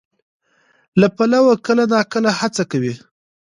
له پلوه کله ناکله هڅه کوي،